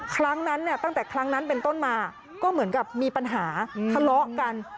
ครั้งนั้นเนี่ยตั้งแต่ครั้งนั้นเป็นต้นมาก็เหมือนกับมีปัญหาทะเลาะกัน